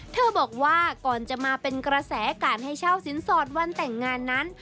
เธอบอกว่าก่อนจะมาเป็นกระแสการให้เช่าสินสอดวันแต่งงานนั้น